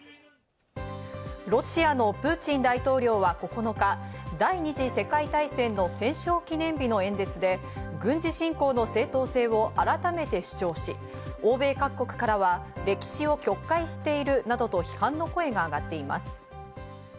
ロシアのプーチン大統領は９日、第二次世界大戦の戦勝記念日の演説で軍事侵攻の正当性を改めて主張し、欧米各国からは歴史を曲解しているなどと批判の声が上がっています。